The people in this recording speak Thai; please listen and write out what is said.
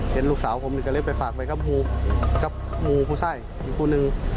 เห็นลูกสาวผมนี่ก็เลยไปฝากไว้กับมูกับมูผู้ใส่อยู่คู่นึง